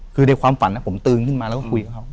คือในความฝันผมตื่นขึ้นมาแล้วก็คุยกับเขา